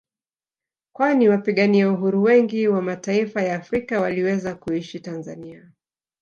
Kwani wapigania uhuru wengi wa mataifa ya Afrika waliweza kuishi Tanzania